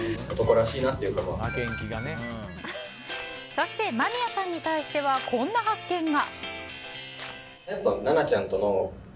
そして、間宮さんに対してはこんな発見が。